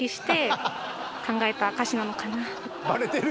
バレてる！